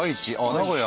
名古屋？